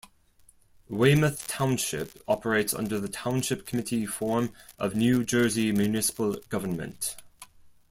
Weymouth Township operates under the Township Committee form of New Jersey municipal government.